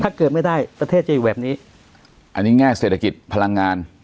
เกิดไม่ได้ประเทศจะอยู่แบบนี้อันนี้แง่เศรษฐกิจพลังงาน